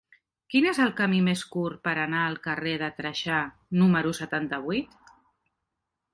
Quin és el camí més curt per anar al carrer de Trajà número setanta-vuit?